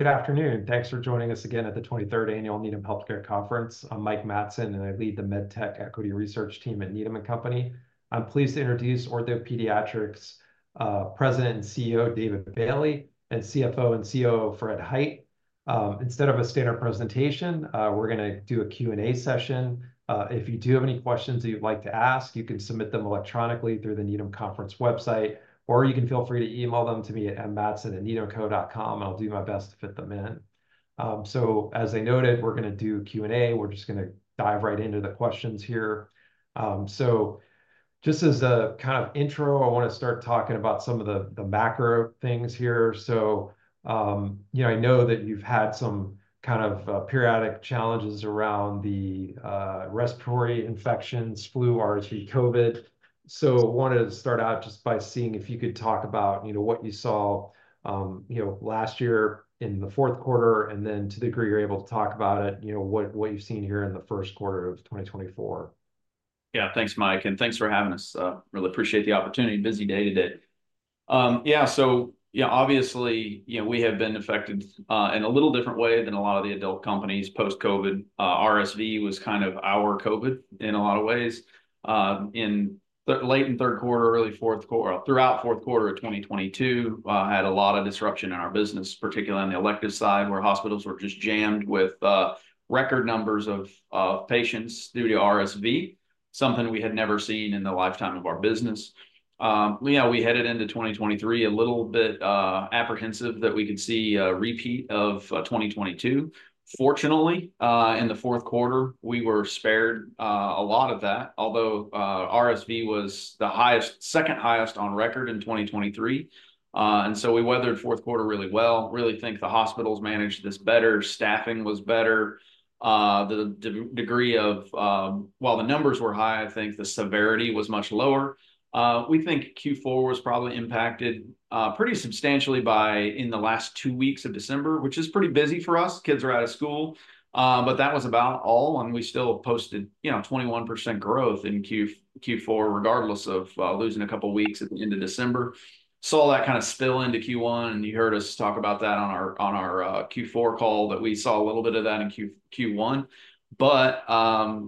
Good afternoon. Thanks for joining us again at the 23rd Annual Needham Healthcare Conference. I'm Mike Matson, and I lead the MedTech Equity Research Team at Needham & Company. I'm pleased to introduce OrthoPediatrics President and CEO David Bailey and CFO and COO Fred Hite. Instead of a standard presentation, we're gonna do a Q and A session. If you do have any questions that you'd like to ask, you can submit them electronically through the Needham Conference website, or you can feel free to email them to me at mmatson@needhamco.com, and I'll do my best to fit them in. So as I noted, we're gonna do Q and A. We're just gonna dive right into the questions here. So just as a kind of intro, I wanna start talking about some of the macro things here. So, you know, I know that you've had some kind of periodic challenges around the respiratory infections, flu, RSV, COVID. So I wanted to start out just by seeing if you could talk about, you know, what you saw, you know, last year in the fourth quarter, and then to the degree you're able to talk about it, you know, what you've seen here in the first quarter of 2024. Yeah. Thanks, Mike. And thanks for having us. Really appreciate the opportunity. Busy day today. Yeah. So, yeah, obviously, you know, we have been affected in a little different way than a lot of the adult companies. Post-COVID, RSV was kind of our COVID in a lot of ways. In the late in third quarter, early fourth quarter, throughout fourth quarter of 2022, had a lot of disruption in our business, particularly on the elective side where hospitals were just jammed with record numbers of patients due to RSV, something we had never seen in the lifetime of our business. You know, we headed into 2023 a little bit apprehensive that we could see repeat of 2022. Fortunately, in the fourth quarter, we were spared a lot of that, although RSV was the second highest on record in 2023. We weathered fourth quarter really well. We really think the hospitals managed this better. Staffing was better. The degree of, while the numbers were high, I think the severity was much lower. We think Q4 was probably impacted pretty substantially in the last two weeks of December, which is pretty busy for us. Kids are out of school. But that was about all. We still posted, you know, 21% growth in Q4 regardless of losing a couple weeks at the end of December. We saw that kinda spill into Q1, and you heard us talk about that on our Q4 call that we saw a little bit of that in Q1. But,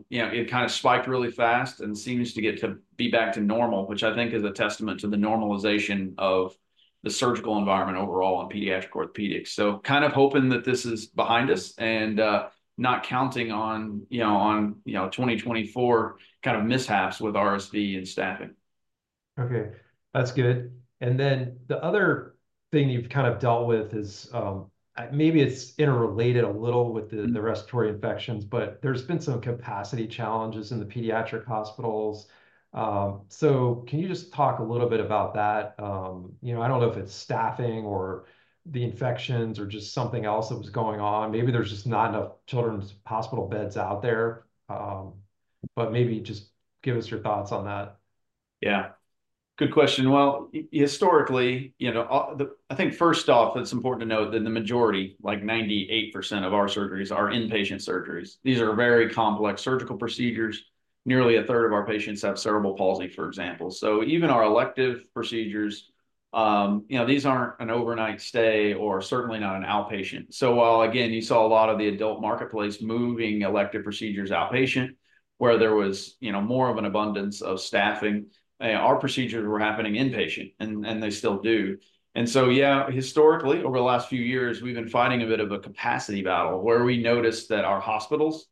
you know, it kinda spiked really fast and seems to get to be back to normal, which I think is a testament to the normalization of the surgical environment overall in pediatric orthopedics. So kind of hoping that this is behind us and, not counting on, you know, on, you know, 2024 kind of mishaps with RSV and staffing. Okay. That's good. And then the other thing you've kind of dealt with is, I maybe it's interrelated a little with the respiratory infections, but there's been some capacity challenges in the pediatric hospitals. So can you just talk a little bit about that? You know, I don't know if it's staffing or the infections or just something else that was going on. Maybe there's just not enough children's hospital beds out there. But maybe just give us your thoughts on that. Yeah. Good question. Well, historically, you know, the I think first off, it's important to note that the majority, like 98% of our surgeries are inpatient surgeries. These are very complex surgical procedures. Nearly a third of our patients have cerebral palsy, for example. So even our elective procedures, you know, these aren't an overnight stay or certainly not an outpatient. So while, again, you saw a lot of the adult marketplace moving elective procedures outpatient where there was, you know, more of an abundance of staffing, our procedures were happening inpatient, and they still do. And so, yeah, historically, over the last few years, we've been fighting a bit of a capacity battle where we noticed that our hospitals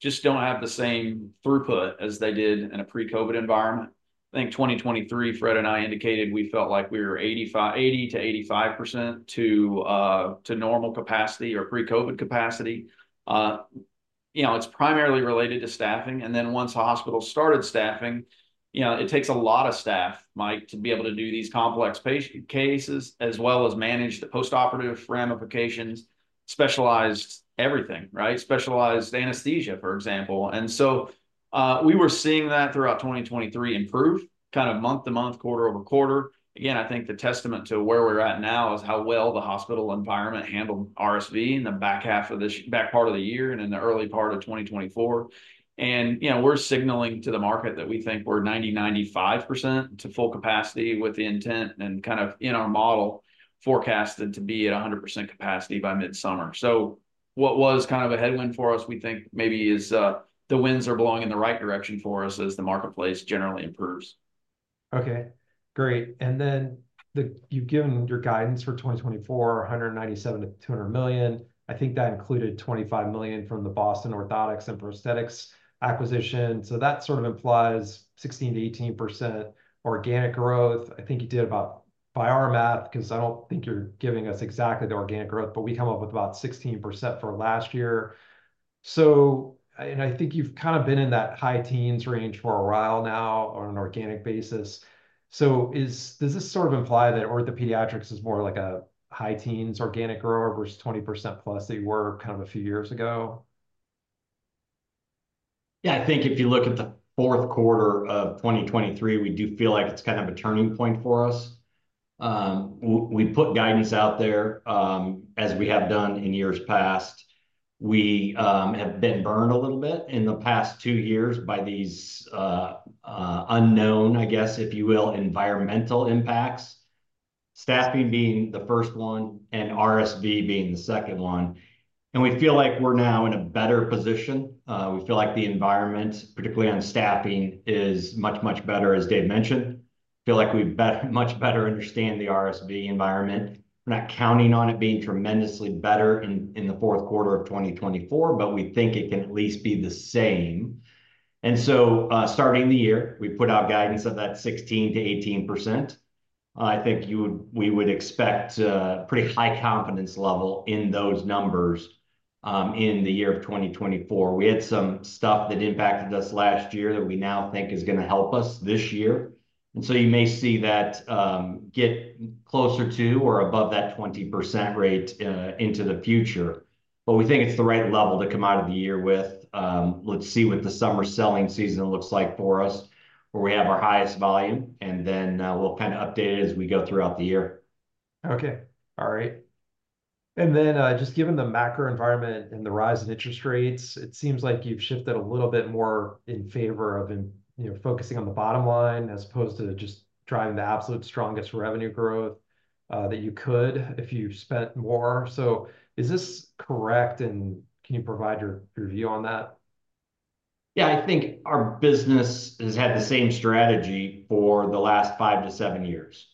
just don't have the same throughput as they did in a pre-COVID environment. I think 2023, Fred and I indicated we felt like we were 80%-85% to, to normal capacity or pre-COVID capacity. You know, it's primarily related to staffing. Then once a hospital started staffing, you know, it takes a lot of staff, Mike, to be able to do these complex patient cases as well as manage the postoperative ramifications, specialized everything, right? Specialized anesthesia, for example. So, we were seeing that throughout 2023 improve kind of month-to-month, quarter-over-quarter. Again, I think the testament to where we're at now is how well the hospital environment handled RSV in the back half of this back part of the year and in the early part of 2024. You know, we're signaling to the market that we think we're 90%-95% to full capacity with the intent and kind of in our model forecasted to be at 100% capacity by midsummer. What was kind of a headwind for us, we think, maybe is, the winds are blowing in the right direction for us as the marketplace generally improves. Okay. Great. And then you've given your guidance for 2024, $197 million-$200 million. I think that included $25 million from the Boston Orthotics and Prosthetics acquisition. So that sort of implies 16%-18% organic growth. I think you did about by our math because I don't think you're giving us exactly the organic growth, but we come up with about 16% for last year. So I and I think you've kinda been in that high teens range for a while now on an organic basis. So does this sort of imply that OrthoPediatrics is more like a high teens organic grower versus 20%+ that you were kind of a few years ago? Yeah. I think if you look at the fourth quarter of 2023, we do feel like it's kind of a turning point for us. We put guidance out there, as we have done in years past. We have been burned a little bit in the past two years by these unknown, I guess, if you will, environmental impacts, staffing being the first one and RSV being the second one. We feel like we're now in a better position. We feel like the environment, particularly on staffing, is much, much better, as Dave mentioned. We better understand the RSV environment. We're not counting on it being tremendously better in the fourth quarter of 2024, but we think it can at least be the same. So, starting the year, we put out guidance of that 16%-18%. I think we would expect pretty high confidence level in those numbers, in the year of 2024. We had some stuff that impacted us last year that we now think is gonna help us this year. And so you may see that get closer to or above that 20% rate, into the future. But we think it's the right level to come out of the year with. Let's see what the summer selling season looks like for us where we have our highest volume, and then we'll kinda update it as we go throughout the year. Okay. All right. And then, just given the macro environment and the rise in interest rates, it seems like you've shifted a little bit more in favor of in, you know, focusing on the bottom line as opposed to just driving the absolute strongest revenue growth, that you could if you spent more. So is this correct, and can you provide your your view on that? Yeah. I think our business has had the same strategy for the last 5 years-7 years.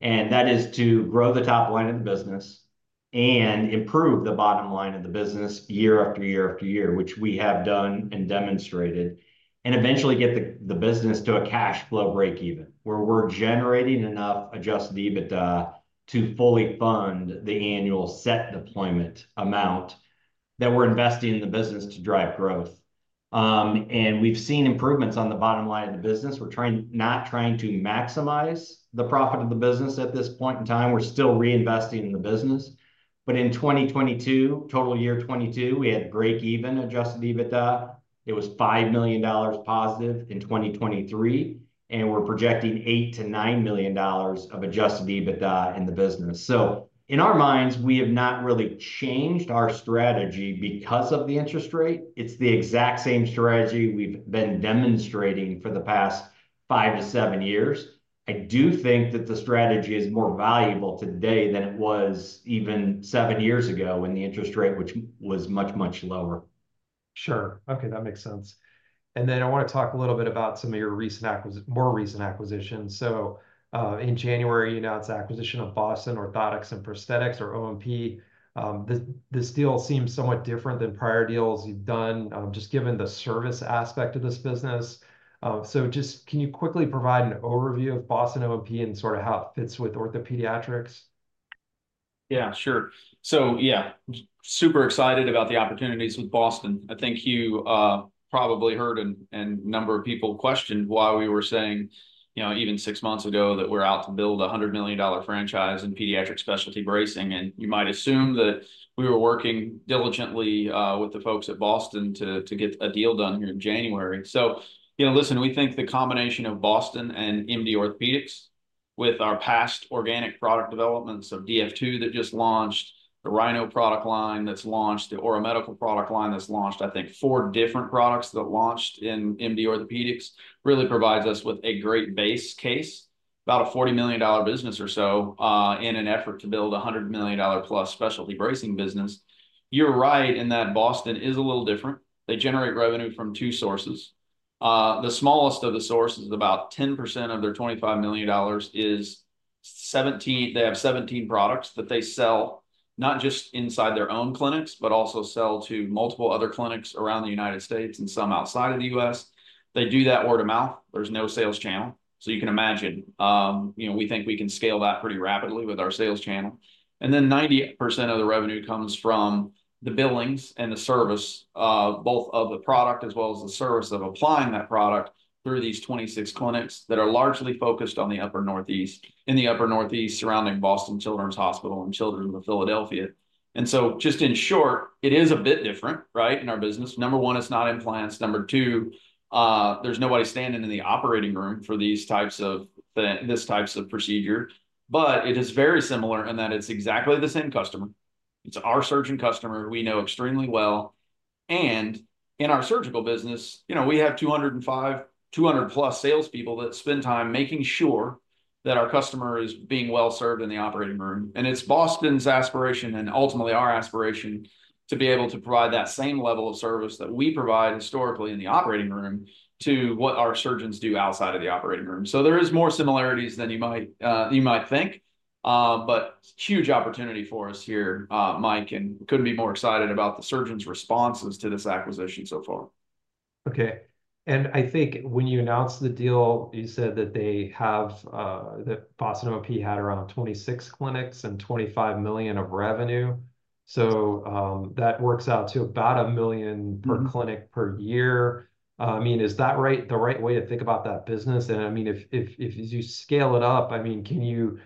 That is to grow the top line of the business and improve the bottom line of the business year after year after year, which we have done and demonstrated, and eventually get the business to a cash flow break-even where we're generating enough Adjusted EBITDA to fully fund the annual set deployment amount that we're investing in the business to drive growth. We've seen improvements on the bottom line of the business. We're not trying to maximize the profit of the business at this point in time. We're still reinvesting in the business. But in 2022, full year 2022, we had break-even Adjusted EBITDA. It was $5 million positive in 2023. We're projecting $8 million-$9 million of Adjusted EBITDA in the business. So in our minds, we have not really changed our strategy because of the interest rate. It's the exact same strategy we've been demonstrating for the past 5 years-7 years. I do think that the strategy is more valuable today than it was even 7 years ago when the interest rate, which was much, much lower. Sure. Okay. That makes sense. And then I wanna talk a little bit about some of your recent acquisitions, more recent acquisitions. So, in January, you announced acquisition of Boston Orthotics and Prosthetics, or O&P. This deal seems somewhat different than prior deals you've done, just given the service aspect of this business. So just can you quickly provide an overview of Boston O&P and sort of how it fits with OrthoPediatrics? Yeah. Sure. So, yeah. Super excited about the opportunities with Boston. I think you probably heard and a number of people questioned why we were saying, you know, even six months ago that we're out to build a $100 million franchise in pediatric specialty bracing. You might assume that we were working diligently with the folks at Boston to get a deal done here in January. So, you know, listen, we think the combination of Boston and MD Orthopedics with our past organic product developments of DF2 that just launched, the Rhino product line that's launched, the Orra Medical product line that's launched, I think, four different products that launched in MD Orthopedics really provides us with a great base case, about a $40 million business or so, in an effort to build a $100 million plus specialty bracing business. You're right in that Boston is a little different. They generate revenue from two sources. The smallest of the sources, about 10% of their $25 million, is 17 they have 17 products that they sell, not just inside their own clinics, but also sell to multiple other clinics around the United States and some outside of the U.S. They do that word of mouth. There's no sales channel. So you can imagine. You know, we think we can scale that pretty rapidly with our sales channel. And then 90% of the revenue comes from the billings and the service, both of the product as well as the service of applying that product through these 26 clinics that are largely focused on the upper northeast in the upper northeast surrounding Boston Children's Hospital and Children's Hospital of Philadelphia. Just in short, it is a bit different, right, in our business. Number one, it's not implants. Number two, there's nobody standing in the operating room for these types of procedures. But it is very similar in that it's exactly the same customer. It's our surgeon customer we know extremely well. And in our surgical business, you know, we have 200+ salespeople that spend time making sure that our customer is being well served in the operating room. And it's Boston's aspiration and ultimately our aspiration to be able to provide that same level of service that we provide historically in the operating room to what our surgeons do outside of the operating room. So there is more similarities than you might think. Huge opportunity for us here, Mike, and couldn't be more excited about the surgeons' responses to this acquisition so far. Okay. I think when you announced the deal, you said that they have that Boston O&P had around 26 clinics and $25 million of revenue. So, that works out to about $1 million per clinic per year. I mean, is that the right way to think about that business? And I mean, if as you scale it up, I mean, can you,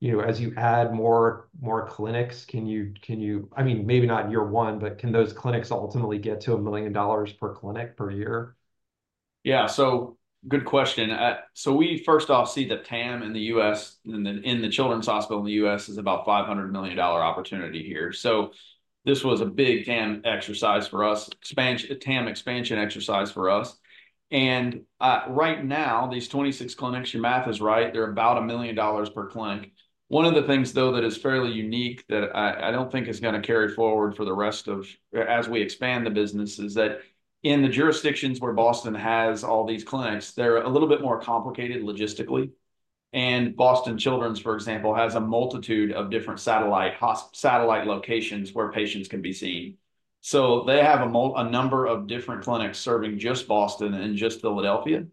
you know, as you add more clinics, can you, I mean, maybe not year one, but can those clinics ultimately get to $1 million per clinic per year? Yeah. So good question. So we first off see that TAM in the U.S. and then in the Children's Hospital in the U.S. is about a $500 million opportunity here. So this was a big TAM exercise for us expansion TAM expansion exercise for us. And, right now, these 26 clinics, your math is right, they're about a $1 million per clinic. One of the things, though, that is fairly unique that I don't think is gonna carry forward for the rest as we expand the business is that in the jurisdictions where Boston has all these clinics, they're a little bit more complicated logistically. And Boston Children's, for example, has a multitude of different satellite hospital locations where patients can be seen. So they have a number of different clinics serving just Boston and just Philadelphia.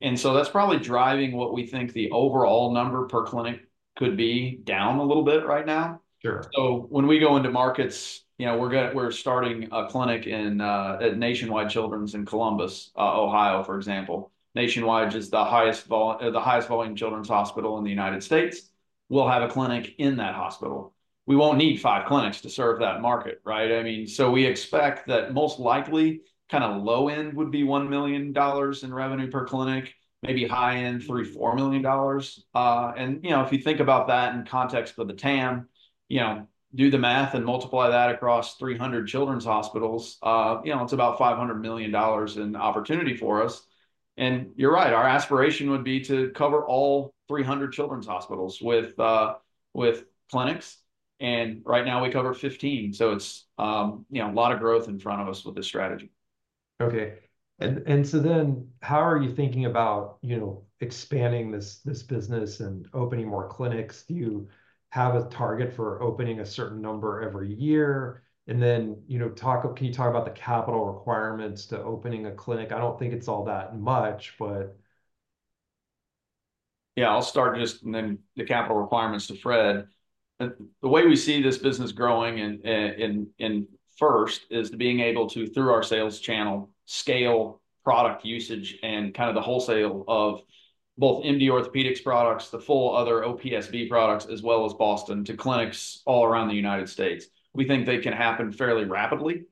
And so that's probably driving what we think the overall number per clinic could be down a little bit right now. Sure. So when we go into markets, you know, we're starting a clinic in at Nationwide Children's in Columbus, Ohio, for example. Nationwide is the highest volume children's hospital in the United States. We'll have a clinic in that hospital. We won't need five clinics to serve that market, right? I mean, so we expect that most likely kinda low end would be $1 million in revenue per clinic, maybe high end $3-$4 million. And, you know, if you think about that in context of the TAM, you know, do the math and multiply that across 300 children's hospitals, you know, it's about $500 million in opportunity for us. And you're right. Our aspiration would be to cover all 300 children's hospitals with clinics. And right now, we cover 15. It's, you know, a lot of growth in front of us with this strategy. Okay. And so then how are you thinking about, you know, expanding this business and opening more clinics? Do you have a target for opening a certain number every year? And then, you know, can you talk about the capital requirements to opening a clinic? I don't think it's all that much, but. Yeah. I'll start just and then the capital requirements to Fred. The way we see this business growing first is being able to, through our sales channel, scale product usage and kinda the wholesale of both MD Orthopedics products, the full other OPSB products, as well as Boston to clinics all around the United States. We think they can happen fairly rapidly,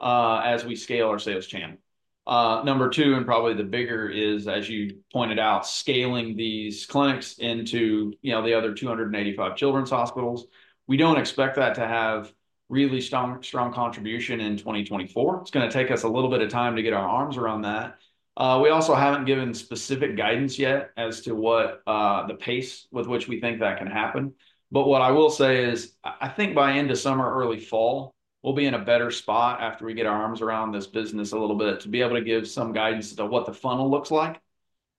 as we scale our sales channel. Number two and probably the bigger is, as you pointed out, scaling these clinics into, you know, the other 285 children's hospitals. We don't expect that to have really strong contribution in 2024. It's gonna take us a little bit of time to get our arms around that. We also haven't given specific guidance yet as to what, the pace with which we think that can happen. But what I will say is I think by end of summer, early fall, we'll be in a better spot after we get our arms around this business a little bit to be able to give some guidance as to what the funnel looks like.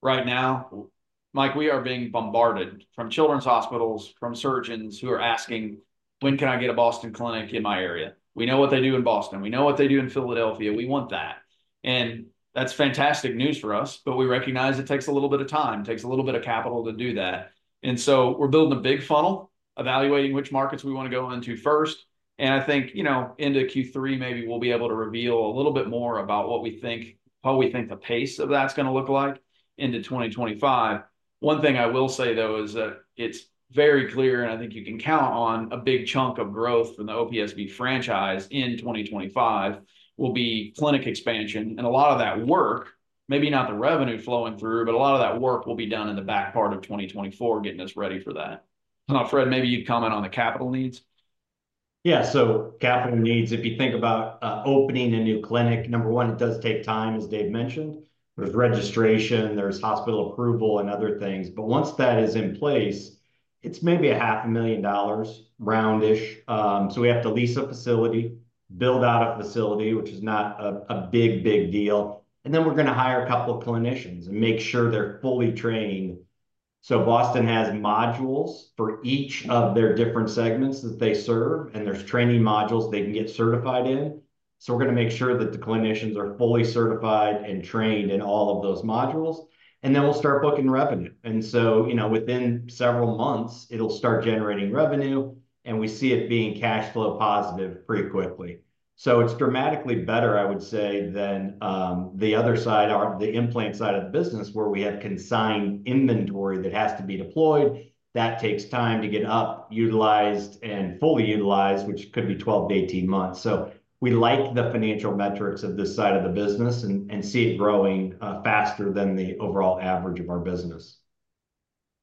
Right now, Mike, we are being bombarded from children's hospitals, from surgeons who are asking, "When can I get a Boston clinic in my area?" We know what they do in Boston. We know what they do in Philadelphia. We want that. And that's fantastic news for us. But we recognize it takes a little bit of time, takes a little bit of capital to do that. And so we're building a big funnel, evaluating which markets we wanna go into first. I think, you know, into Q3, maybe we'll be able to reveal a little bit more about what we think how we think the pace of that's gonna look like into 2025. One thing I will say, though, is that it's very clear, and I think you can count on a big chunk of growth from the OPSB franchise in 2025 will be clinic expansion. A lot of that work maybe not the revenue flowing through, but a lot of that work will be done in the back part of 2024 getting us ready for that. I don't know, Fred, maybe you'd comment on the capital needs. Yeah. So capital needs, if you think about opening a new clinic, number one, it does take time, as Dave mentioned. There's registration. There's hospital approval and other things. But once that is in place, it's maybe $500,000, round-ish. So we have to lease a facility, build out a facility, which is not a big deal. And then we're gonna hire a couple of clinicians and make sure they're fully trained. So Boston has modules for each of their different segments that they serve, and there's training modules they can get certified in. So we're gonna make sure that the clinicians are fully certified and trained in all of those modules. And then we'll start booking revenue. And so, you know, within several months, it'll start generating revenue, and we see it being cash flow positive pretty quickly. So it's dramatically better, I would say, than the other side, or the implant side of the business where we have consigned inventory that has to be deployed. That takes time to get utilized and fully utilized, which could be 12 months-18 months. So we like the financial metrics of this side of the business and see it growing faster than the overall average of our business.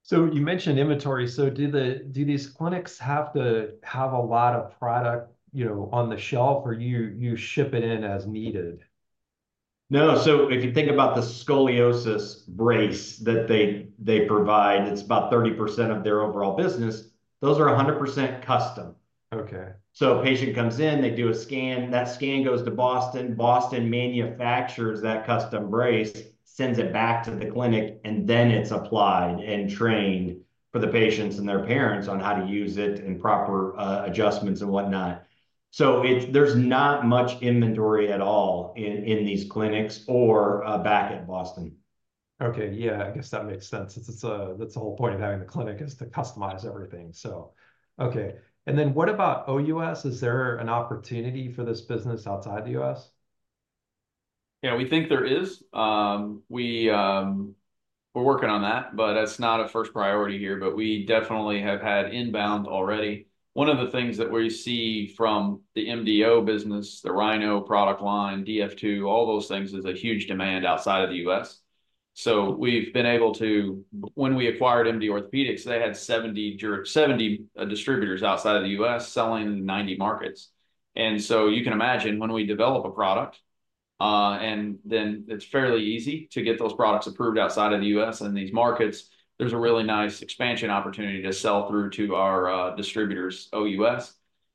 So you mentioned inventory. So do these clinics have to have a lot of product, you know, on the shelf, or you ship it in as needed? No. So if you think about the scoliosis brace that they provide, it's about 30% of their overall business. Those are 100% custom. Okay. So a patient comes in. They do a scan. That scan goes to Boston. Boston manufactures that custom brace, sends it back to the clinic, and then it's applied and trained for the patients and their parents on how to use it and proper adjustments and whatnot. So, there's not much inventory at all in these clinics or back at Boston. Okay. Yeah. I guess that makes sense. It's that the whole point of having the clinic is to customize everything, so. Okay. And then what about OUS? Is there an opportunity for this business outside the U.S.? Yeah. We think there is. We're working on that, but it's not a first priority here. But we definitely have had inbound already. One of the things that we see from the MDO business, the Rhino product line, DF2, all those things is a huge demand outside of the U.S. So we've been able to when we acquired MD Orthopedics, they had 70 distributors outside of the U.S. selling in 90 markets. And so you can imagine when we develop a product, and then it's fairly easy to get those products approved outside of the U.S. in these markets, there's a really nice expansion opportunity to sell through to our distributors, OUS.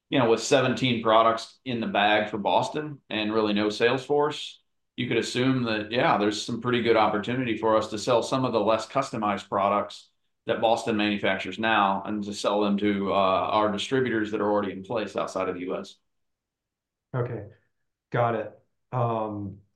You know, with 17 products in the bag for Boston and really no sales force, you could assume that, yeah, there's some pretty good opportunity for us to sell some of the less customized products that Boston manufactures now and to sell them to our distributors that are already in place outside of the U.S. Okay. Got it.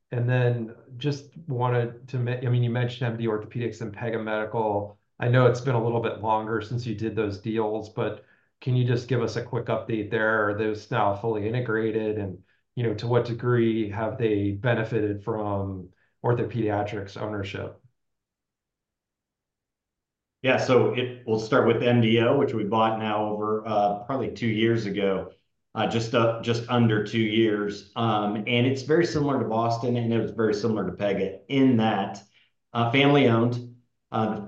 And then, just wanted to, I mean, you mentioned MD Orthopedics and Pega Medical. I know it's been a little bit longer since you did those deals, but can you just give us a quick update there? Are those now fully integrated? And, you know, to what degree have they benefited from OrthoPediatrics ownership? Yeah. So, we'll start with MDO, which we bought now over, probably two years ago, just under two years. And it's very similar to Boston, and it was very similar to Pega in that, family-owned.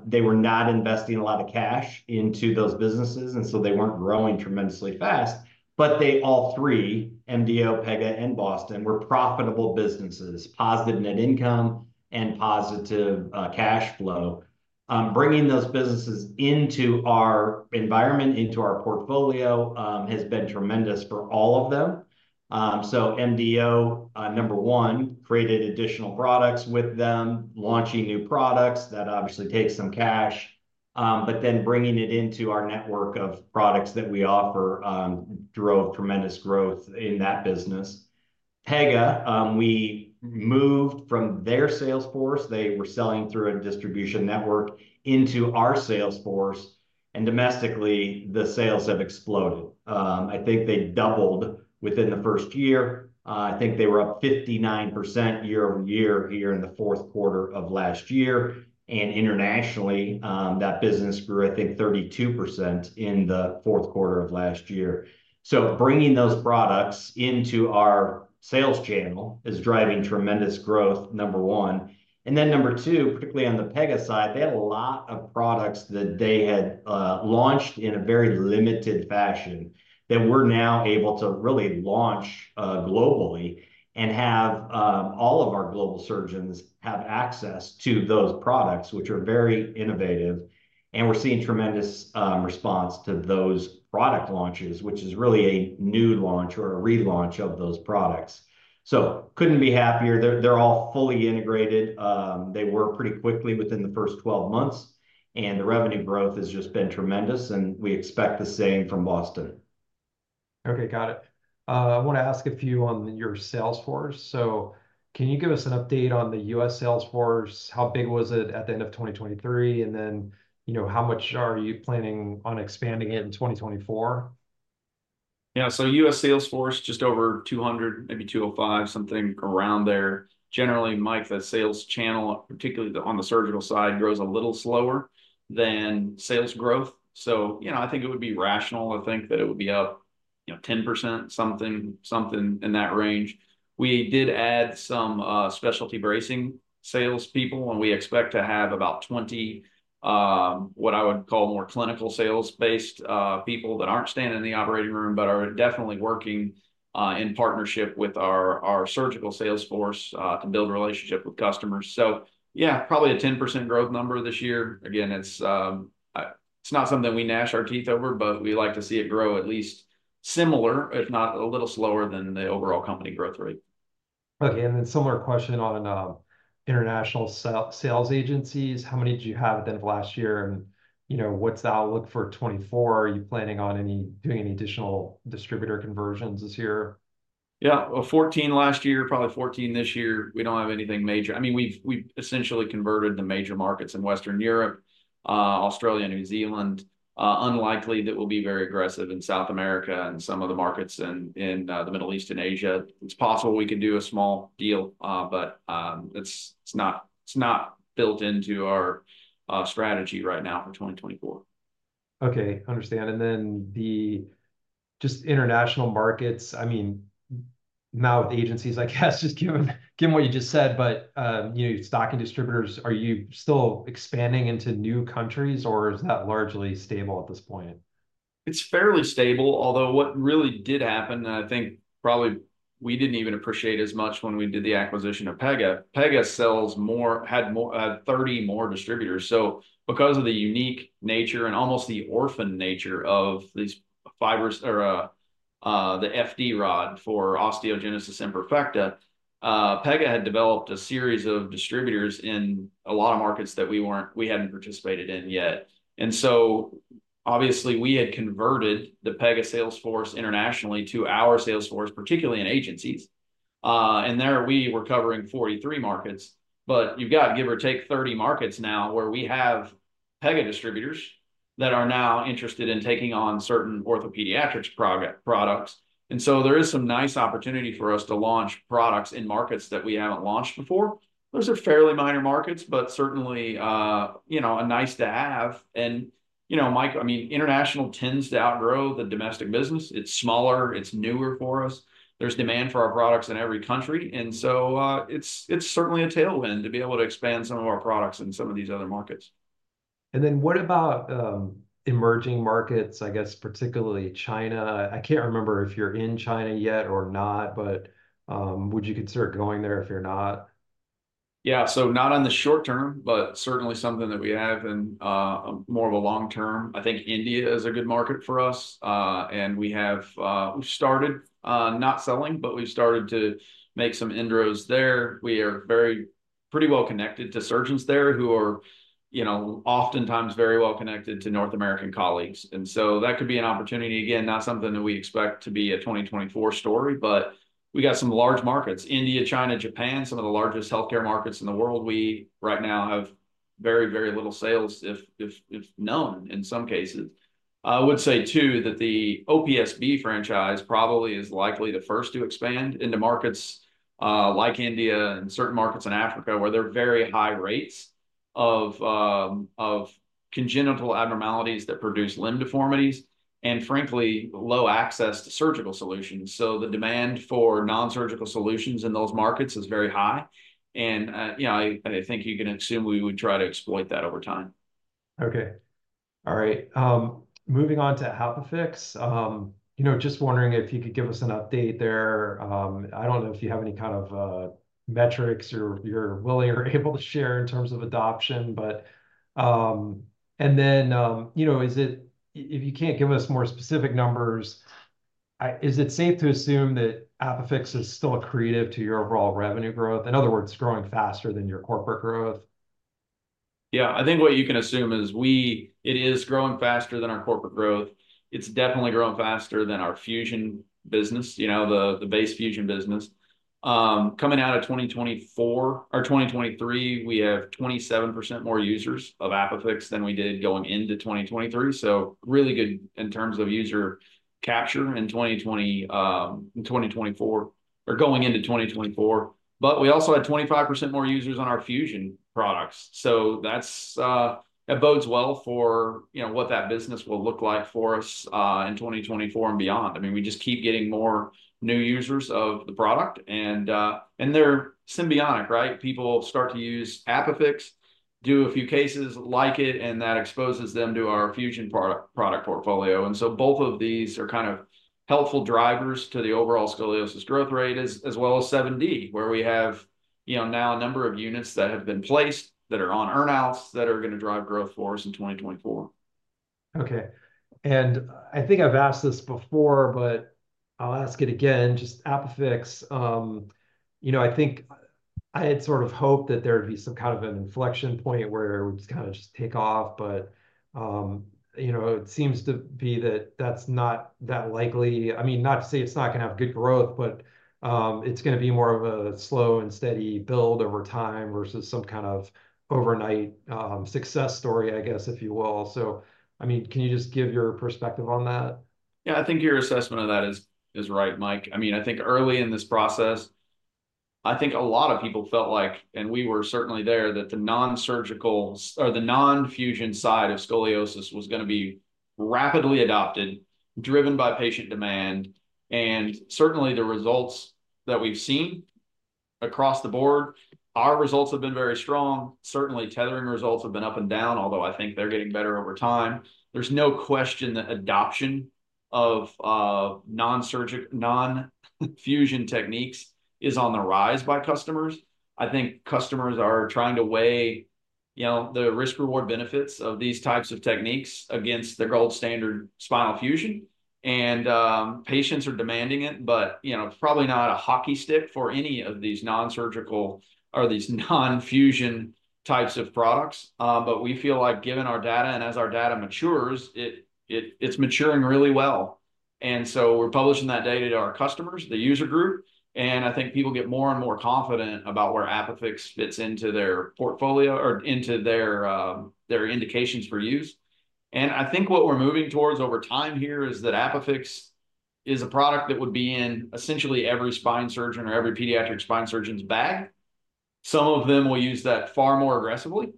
They were not investing a lot of cash into those businesses, and so they weren't growing tremendously fast. But they all three, MDO, Pega, and Boston, were profitable businesses, positive net income and positive cash flow. Bringing those businesses into our environment, into our portfolio, has been tremendous for all of them. So MDO, number one, created additional products with them, launching new products. That obviously takes some cash. But then bringing it into our network of products that we offer, drove tremendous growth in that business. Pega, we moved from their sales force. They were selling through a distribution network into our sales force. And domestically, the sales have exploded. I think they doubled within the first year. I think they were up 59% year-over-year here in the fourth quarter of last year. Internationally, that business grew, I think, 32% in the fourth quarter of last year. Bringing those products into our sales channel is driving tremendous growth, number one. Then number two, particularly on the Pega side, they had a lot of products that they had launched in a very limited fashion that we're now able to really launch globally and have all of our global surgeons have access to those products, which are very innovative. And we're seeing tremendous response to those product launches, which is really a new launch or a relaunch of those products. So couldn't be happier. They're all fully integrated. They were pretty quickly within the first 12 months. The revenue growth has just been tremendous, and we expect the same from Boston. Okay. Got it. I wanna ask a few on your sales force. So can you give us an update on the U.S. sales force? How big was it at the end of 2023? And then, you know, how much are you planning on expanding it in 2024? Yeah. So U.S. sales force, just over 200, maybe 205 something around there. Generally, Mike, the sales channel, particularly on the surgical side, grows a little slower than sales growth. So, you know, I think it would be rational to think that it would be up, you know, 10% something something in that range. We did add some, specialty bracing salespeople, and we expect to have about 20, what I would call more clinical sales-based, people that aren't standing in the operating room but are definitely working, in partnership with our surgical sales force, to build relationship with customers. So yeah, probably a 10% growth number this year. Again, it's not something we gnash our teeth over, but we like to see it grow at least similar, if not a little slower than the overall company growth rate. Okay. And then similar question on international sales agencies. How many did you have at the end of last year? And, you know, what's the outlook for 2024? Are you planning on doing any additional distributor conversions this year? Yeah. Well, 14 last year, probably 14 this year. We don't have anything major. I mean, we've essentially converted the major markets in Western Europe, Australia, New Zealand. Unlikely that we'll be very aggressive in South America and some of the markets in the Middle East and Asia. It's possible we can do a small deal, but it's not built into our strategy right now for 2024. Okay. Understand. And then the just international markets, I mean, now with agencies, I guess, just given what you just said, but, you know, your stocking distributors, are you still expanding into new countries, or is that largely stable at this point? It's fairly stable. Although what really did happen, and I think probably we didn't even appreciate as much when we did the acquisition of Pega, Pega had more, had 30 more distributors. So because of the unique nature and almost the orphan nature of these fibers or the FD rod for osteogenesis imperfecta, Pega had developed a series of distributors in a lot of markets that we hadn't participated in yet. And so obviously, we had converted the Pega sales force internationally to our sales force, particularly in agencies, and there we were covering 43 markets. But you've got, give or take, 30 markets now where we have Pega distributors that are now interested in taking on certain OrthoPediatrics Pega products. And so there is some nice opportunity for us to launch products in markets that we haven't launched before. Those are fairly minor markets, but certainly, you know, a nice to have. And, you know, Mike, I mean, international tends to outgrow the domestic business. It's smaller. It's newer for us. There's demand for our products in every country. And so, it's certainly a tailwind to be able to expand some of our products in some of these other markets. And then what about emerging markets, I guess, particularly China? I can't remember if you're in China yet or not, but would you consider going there if you're not? Yeah. So not on the short term, but certainly something that we have in, more of a long term. I think India is a good market for us. And we have, we've started, not selling, but we've started to make some intros there. We are very pretty well connected to surgeons there who are, you know, oftentimes very well connected to North American colleagues. And so that could be an opportunity. Again, not something that we expect to be a 2024 story, but we got some large markets, India, China, Japan, some of the largest healthcare markets in the world. We right now have very, very little sales if known in some cases. I would say, too, that the OPSB franchise probably is likely the first to expand into markets, like India and certain markets in Africa where there are very high rates of congenital abnormalities that produce limb deformities and, frankly, low access to surgical solutions. So the demand for non-surgical solutions in those markets is very high. You know, I I think you can assume we would try to exploit that over time. Okay. All right. Moving on to HypaFix, you know, just wondering if you could give us an update there. I don't know if you have any kind of metrics you're willing or able to share in terms of adoption, but and then, you know, is it, if you can't give us more specific numbers, is it safe to assume that HypaFix is still accretive to your overall revenue growth? In other words, growing faster than your corporate growth? Yeah. I think what you can assume is that it is growing faster than our corporate growth. It's definitely growing faster than our fusion business, you know, the base fusion business. Coming out of 2024 or 2023, we have 27% more users of HypaFix than we did going into 2023. So really good in terms of user capture in 2023, going into 2024. But we also had 25% more users on our fusion products. So that bodes well for, you know, what that business will look like for us, in 2024 and beyond. I mean, we just keep getting more new users of the product. And they're symbiotic, right? People start to use HypaFix, do a few cases, like it, and that exposes them to our fusion product portfolio. And so both of these are kind of helpful drivers to the overall scoliosis growth rate as well as 7D, where we have, you know, now a number of units that have been placed that are on earnouts that are gonna drive growth for us in 2024. Okay. And I think I've asked this before, but I'll ask it again, just HypaFix. You know, I think I had sort of hoped that there would be some kind of an inflection point where it would kinda just take off, but, you know, it seems to be that that's not that likely. I mean, not to say it's not gonna have good growth, but, it's gonna be more of a slow and steady build over time versus some kind of overnight success story, I guess, if you will. So, I mean, can you just give your perspective on that? Yeah. I think your assessment of that is right, Mike. I mean, I think early in this process, I think a lot of people felt like, and we were certainly there, that the non-surgical or the non-fusion side of scoliosis was gonna be rapidly adopted, driven by patient demand. And certainly, the results that we've seen across the board, our results have been very strong. Certainly, tethering results have been up and down, although I think they're getting better over time. There's no question that adoption of non-surgical non-fusion techniques is on the rise by customers. I think customers are trying to weigh, you know, the risk-reward benefits of these types of techniques against the gold standard spinal fusion. And patients are demanding it, but you know, it's probably not a hockey stick for any of these non-surgical or these non-fusion types of products. But we feel like, given our data and as our data matures, it's maturing really well. And so we're publishing that data to our customers, the user group. And I think people get more and more confident about where HypaFix fits into their portfolio or into their indications for use. And I think what we're moving towards over time here is that HypaFix is a product that would be in essentially every spine surgeon or every pediatric spine surgeon's bag. Some of them will use that far more aggressively.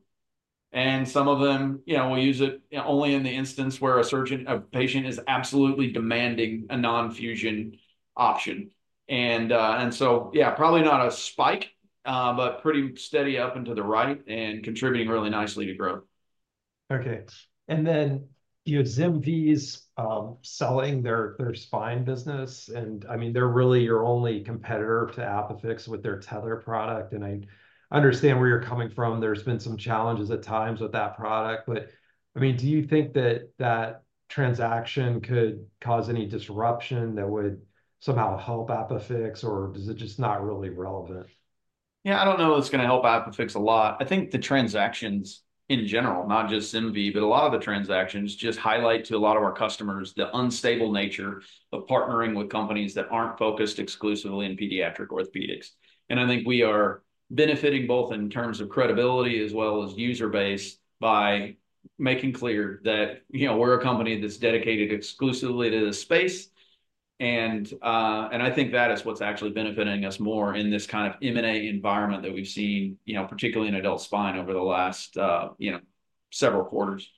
And some of them, you know, will use it, you know, only in the instance where a patient is absolutely demanding a non-fusion option. And so, yeah, probably not a spike, but pretty steady up into the right and contributing really nicely to growth. Okay. And then you have ZimVie, selling their spine business. And, I mean, they're really your only competitor to HypaFix with their tether product. And I understand where you're coming from. There's been some challenges at times with that product. But, I mean, do you think that transaction could cause any disruption that would somehow help HypaFix, or is it just not really relevant? Yeah. I don't know if it's gonna help HypaFix a lot. I think the transactions in general, not just ZimVie, but a lot of the transactions just highlight to a lot of our customers the unstable nature of partnering with companies that aren't focused exclusively in pediatric orthopedics. And I think we are benefiting both in terms of credibility as well as user base by making clear that, you know, we're a company that's dedicated exclusively to this space. And I think that is what's actually benefiting us more in this kind of M&A environment that we've seen, you know, particularly in adult spine over the last, you know, several quarters.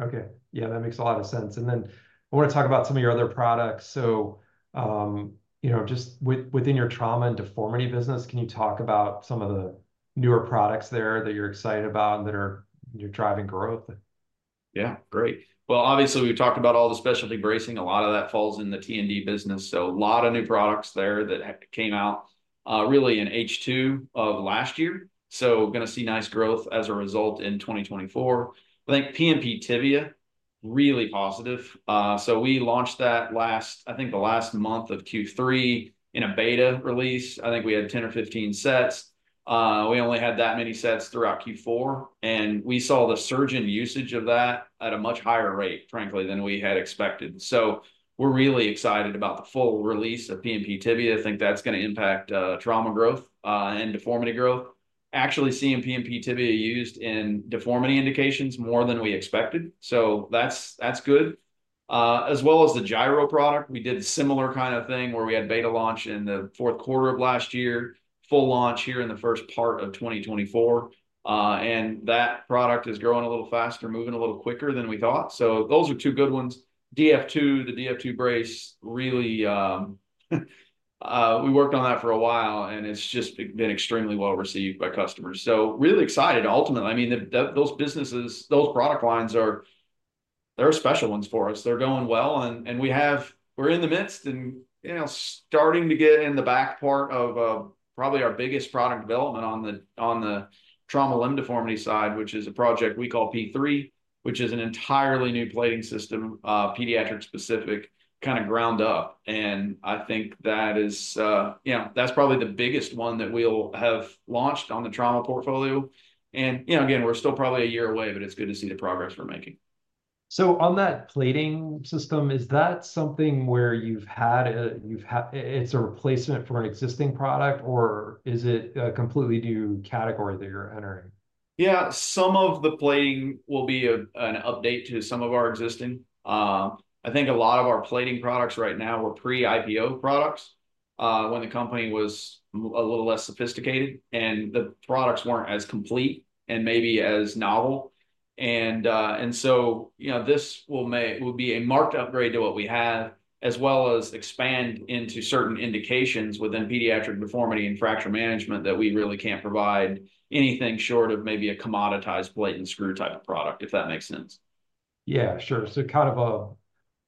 Okay. Yeah. That makes a lot of sense. Then I wanna talk about some of your other products. So, you know, just within your trauma and deformity business, can you talk about some of the newer products there that you're excited about and that you're driving growth? Yeah. Great. Well, obviously, we've talked about all the specialty bracing. A lot of that falls in the T&D business. So a lot of new products there that have come out, really in H2 of last year. So gonna see nice growth as a result in 2024. I think PMP Tibia, really positive. So we launched that last I think the last month of Q3 in a beta release. I think we had 10 or 15 sets. We only had that many sets throughout Q4. And we saw the surgeon usage of that at a much higher rate, frankly, than we had expected. So we're really excited about the full release of PMP Tibia. I think that's gonna impact trauma growth, and deformity growth. Actually seeing PMP Tibia used in deformity indications more than we expected. So that's good. As well as the Gyro product, we did a similar kind of thing where we had beta launch in the fourth quarter of last year, full launch here in the first part of 2024. And that product is growing a little faster, moving a little quicker than we thought. So those are two good ones. DF2, the DF2 brace, really, we worked on that for a while, and it's just been extremely well received by customers. So really excited ultimately. I mean, those businesses, those product lines are they're special ones for us. They're going well. And we have, we're in the midst and, you know, starting to get in the back part of, probably our biggest product development on the trauma limb deformity side, which is a project we call P3, which is an entirely new plating system, pediatric-specific kinda ground up. And I think that is, you know, that's probably the biggest one that we'll have launched on the trauma portfolio. And, you know, again, we're still probably a year away, but it's good to see the progress we're making. So, on that plating system, is that something where it's a replacement for an existing product, or is it a completely new category that you're entering? Yeah. Some of the plating will be an update to some of our existing. I think a lot of our plating products right now were pre-IPO products, when the company was a little less sophisticated. And the products weren't as complete and maybe as novel. And so, you know, this will be a marked upgrade to what we have as well as expand into certain indications within pediatric deformity and fracture management that we really can't provide anything short of maybe a commoditized plate and screw type of product, if that makes sense. Yeah. Sure. So kind of a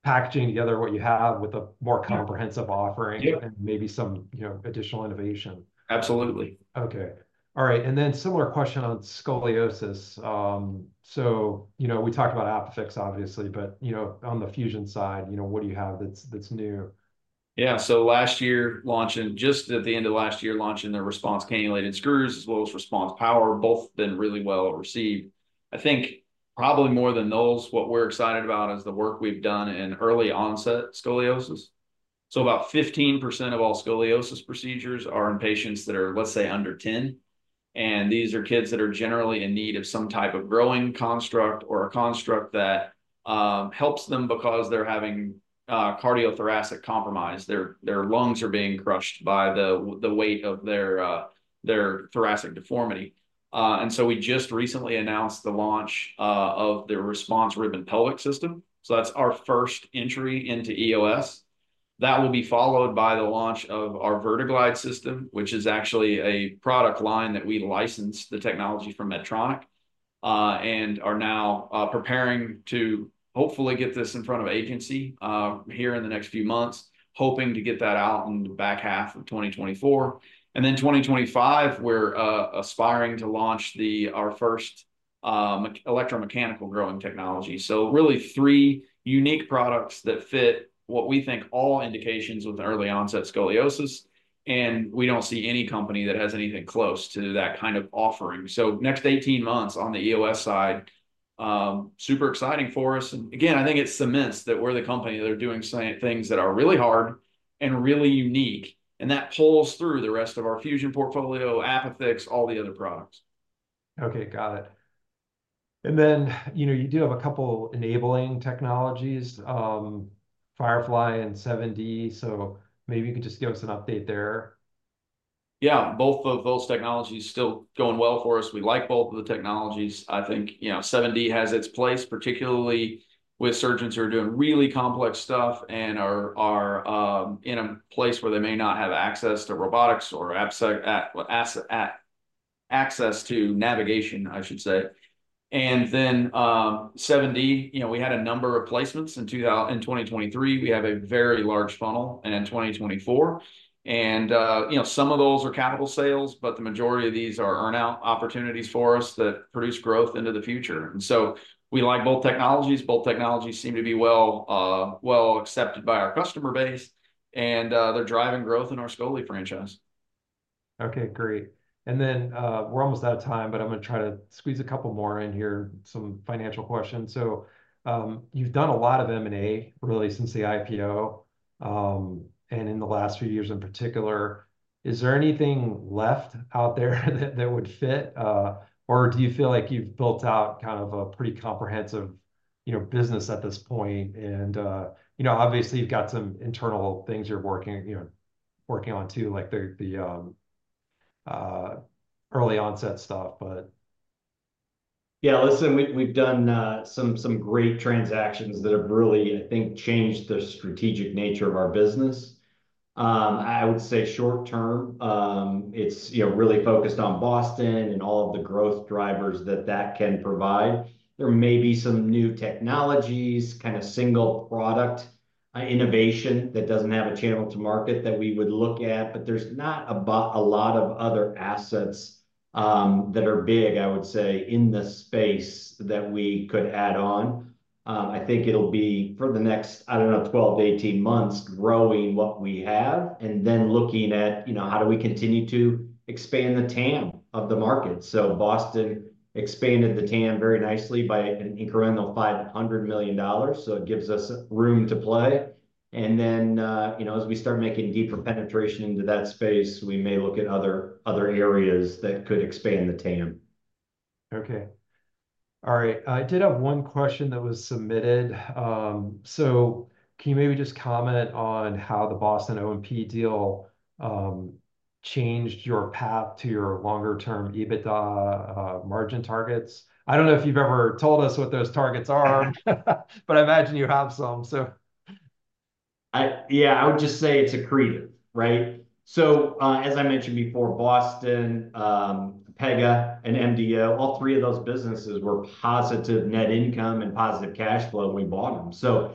packaging together what you have with a more comprehensive offering. Yeah. Maybe some, you know, additional innovation. Absolutely. Okay. All right. And then similar question on scoliosis. So, you know, we talked about HapaFix, obviously, but, you know, on the fusion side, you know, what do you have that's new? Yeah. So last year launching just at the end of last year, launching the Response cannulated screws as well as Response Power, both been really well received. I think probably more than those, what we're excited about is the work we've done in early-onset scoliosis. So about 15% of all scoliosis procedures are in patients that are, let's say, under 10. And these are kids that are generally in need of some type of growing construct or a construct that helps them because they're having cardiothoracic compromise. Their lungs are being crushed by the weight of their thoracic deformity. And so we just recently announced the launch of the Response Ribbon Pelvic System. So that's our first entry into EOS. That will be followed by the launch of our VertiGlide system, which is actually a product line that we licensed the technology from Medtronic, and are now preparing to hopefully get this in front of agency here in the next few months, hoping to get that out in the back half of 2024. And then 2025, we're aspiring to launch our first electromechanical growing technology. So really three unique products that fit what we think all indications with early-onset scoliosis. And we don't see any company that has anything close to that kind of offering. So next 18 months on the EOS side, super exciting for us. And again, I think it cements that we're the company that are doing such things that are really hard and really unique. And that pulls through the rest of our fusion portfolio, HypaFix, all the other products. Okay. Got it. And then, you know, you do have a couple enabling technologies, Firefly and 7D. So maybe you could just give us an update there. Yeah. Both of those technologies still going well for us. We like both of the technologies. I think, you know, 7D has its place, particularly with surgeons who are doing really complex stuff and are in a place where they may not have access to robotics or access to navigation, I should say. And then, 7D, you know, we had a number of placements in 2023. We have a very large funnel in 2024. And, you know, some of those are capital sales, but the majority of these are earnout opportunities for us that produce growth into the future. And so we like both technologies. Both technologies seem to be well accepted by our customer base. And, they're driving growth in our Scoli franchise. Okay. Great. And then, we're almost out of time, but I'm gonna try to squeeze a couple more in here, some financial questions. So, you've done a lot of M&A, really, since the IPO, and in the last few years in particular. Is there anything left out there that would fit, or do you feel like you've built out kind of a pretty comprehensive, you know, business at this point? And, you know, obviously, you've got some internal things you're working, you know, working on too, like the early-onset stuff, but. Yeah. Listen, we've done some great transactions that have really, I think, changed the strategic nature of our business. I would say short term, it's, you know, really focused on Boston and all of the growth drivers that can provide. There may be some new technologies, kinda single product, innovation that doesn't have a channel to market that we would look at, but there's not a boatload of other assets, that are big, I would say, in this space that we could add on. I think it'll be for the next, I don't know, 12 months, 18 months, growing what we have and then looking at, you know, how do we continue to expand the TAM of the market? So Boston expanded the TAM very nicely by an incremental $500 million. So it gives us room to play. Then, you know, as we start making deeper penetration into that space, we may look at other areas that could expand the TAM. Okay. All right. I did have one question that was submitted. So can you maybe just comment on how the Boston O&P deal changed your path to your longer-term EBITDA margin targets? I don't know if you've ever told us what those targets are, but I imagine you have some, so. Yeah. I would just say it's accretive, right? So, as I mentioned before, Boston, Pega, and MDO, all three of those businesses were positive net income and positive cash flow when we bought them. So,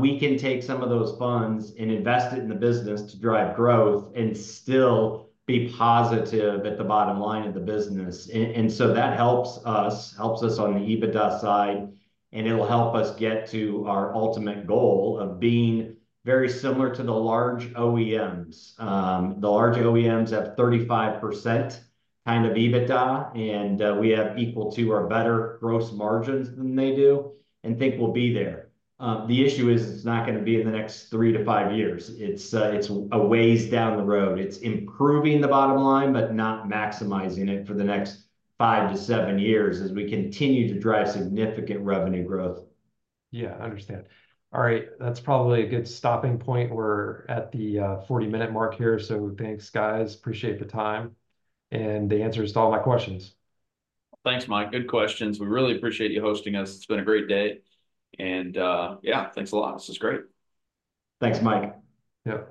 we can take some of those funds and invest it in the business to drive growth and still be positive at the bottom line of the business. And so that helps us, helps us on the EBITDA side. And it'll help us get to our ultimate goal of being very similar to the large OEMs. The large OEMs have 35% kind of EBITDA, and we have equal to or better gross margins than they do and think we'll be there. The issue is it's not gonna be in the next 3 years-5 years. It's a ways down the road. It's improving the bottom line but not maximizing it for the next 5 years-7 years as we continue to drive significant revenue growth. Yeah. Understand. All right. That's probably a good stopping point. We're at the 40-minute mark here. So thanks, guys. Appreciate the time and the answers to all my questions. Thanks, Mike. Good questions. We really appreciate you hosting us. It's been a great day. And, yeah. Thanks a lot. This was great. Thanks, Mike. Yep.